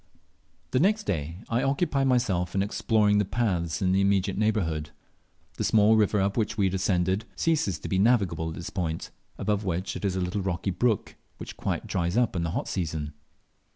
The next day I occupied myself in exploring the paths in the immediate neighbourhood. The small river up which we had ascended ceases to be navigable at this point, above which it is a little rocky brook, which quite dries up in the hot season.